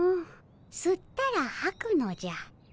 すったらはくのじゃ。